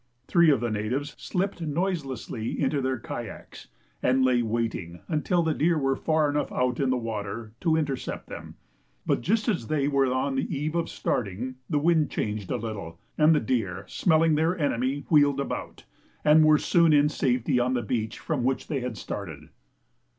Three of the natives slipped noiselessly into their kayaks, and lay waiting, until the deer were far enough out in the water, to intercept them, but just as they were on the eve of starting the wind changed a little, and the deer smelling their enemy wheeled about, and were soon in safety on the beach from which they had started.